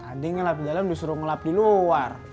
tadi ngelap di dalam disuruh ngelap di luar